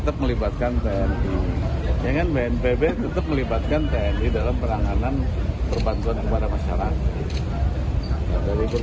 tujuannya kan untuk membantu masyarakat